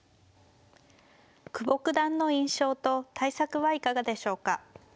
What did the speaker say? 久保九段の印象と対策はいかがでしょうか。